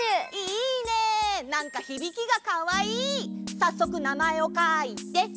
さっそくなまえをかいて！